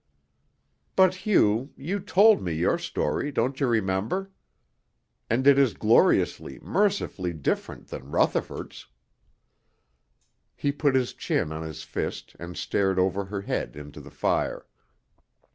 "But, Hugh, you told me your story, don't you remember? And it is gloriously, mercifully different from Rutherford's." He put his chin on his fist and stared over her head into the fire.